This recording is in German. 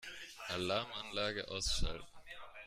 Alarmanlage ausschalten.